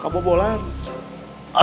kamu mau naik ke sana